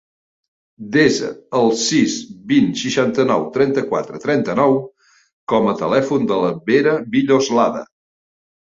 Desa el sis, vint, seixanta-nou, trenta-quatre, trenta-nou com a telèfon de la Vera Villoslada.